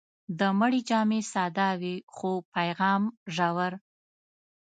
د مړي جامې ساده وي، خو پیغام ژور.